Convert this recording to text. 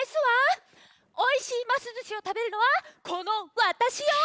おいしいますずしをたべるのはこのわたしよ！